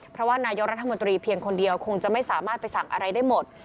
เพราะว่านายกรัฐมนตรีเพียงคนเดียวคงจะไม่สามารถไปสั่งอะไรได้หมด